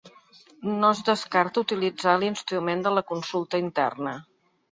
No es descarta utilitzar l’instrument de la consulta interna.